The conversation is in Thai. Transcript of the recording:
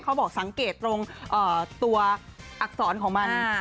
เขาบอกสังเกตตรงตัวอักษรของมัน